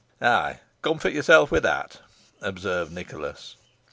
"Ay, comfort yourself with that," observed Nicholas.